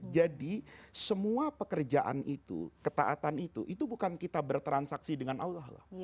jadi semua pekerjaan itu ketaatan itu bukan kita bertransaksi dengan allah